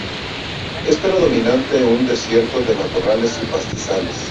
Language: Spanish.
Es predominantemente un desierto de matorrales y pastizales.